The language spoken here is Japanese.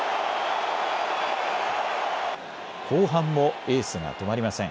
後半もエースが止まりません。